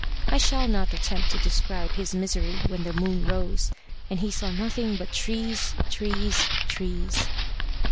I shall not attempt to describe his misery when the moon rose, and he saw nothing but trees, trees, trees.